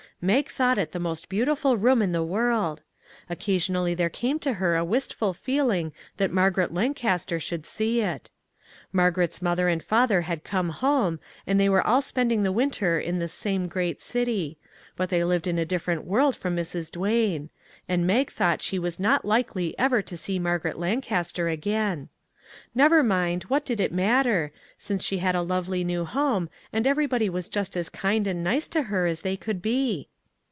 Mag thought it the most beautiful room in the world. Occasionally there came to her a wist ful feeling that Margaret Lancaster could see it. Margaret's mother and father had come home, and they were all spending the winter in this same great city ; but they lived in a different world from Mrs. Duane, and Mag thought she was not likely ever to see Margaret Lancaster 3 i MAG AND MARGARET again. Never mind, what did it matter, since she had a lovely new home, and everybody was just as kind and nice to her as they could be?